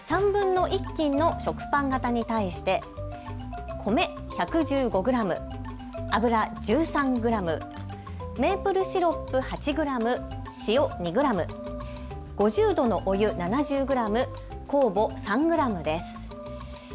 ３分の１斤の食パン型に対して米１１５グラム、油１３グラム、メープルシロップ８グラム、塩２ｇ、５０度のお湯を７０グラム、酵母３グラムです。